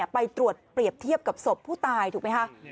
ไปตรวจเปรียบเทียบกับศพผู้ตายถูกไหมคะ